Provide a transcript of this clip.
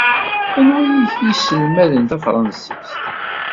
Anwa ay ak-yesselmaden tafṛensist?